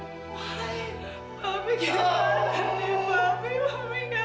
pak pak pi kira kira